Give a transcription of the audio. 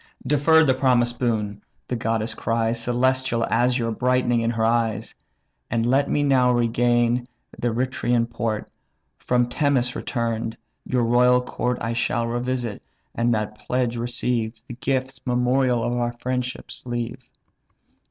"Defer the promised boon (the goddess cries, Celestial azure brightening in her eyes), And let me now regain the Reithrian port; From Temese return'd, your royal court I shall revisit, and that pledge receive; And gifts, memorial of our friendship, leave."